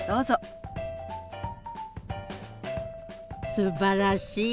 すばらしい。